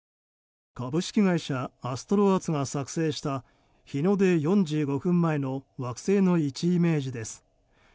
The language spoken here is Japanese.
株式会社アストロアーツが作成した日の出４５分前の惑星の位置イメージです。